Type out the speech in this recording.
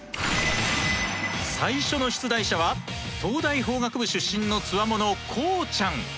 最初の出題者は東大法学部出身のつわものこうちゃん。